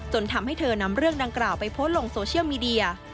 ทำให้เธอนำเรื่องดังกล่าวไปโพสต์ลงโซเชียลมีเดีย